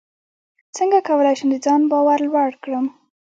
څنګه کولی شم د ځان باور لوړ کړم